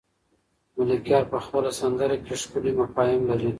ملکیار په خپله سندره کې ښکلي مفاهیم لري.